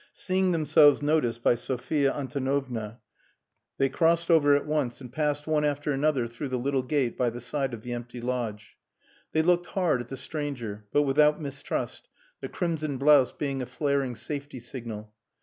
Seeing themselves noticed by Sophia Antonovna, they crossed over at once, and passed one after another through the little gate by the side of the empty lodge. They looked hard at the stranger, but without mistrust, the crimson blouse being a flaring safety signal.